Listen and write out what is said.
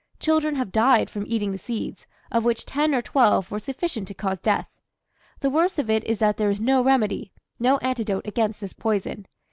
Children have died from eating the seeds, of which ten or twelve were sufficient to cause death. The worst of it is that there is no remedy, no antidote against this poison.